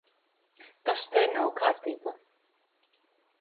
Tas te nav kārtībā.